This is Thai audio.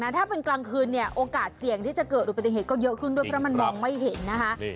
ถ้าเป็นกลางคืนเนี่ยโอกาสเสี่ยงที่จะเกิดอุปติเหตุก็เยอะขึ้นด้วยเพราะมันมองไม่เห็นนะคะ